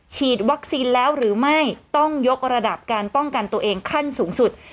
ฉีดวัคซีนแล้วหรือไม่ต้องยกระดับการป้องกันตัวเองขั้นสูงสุด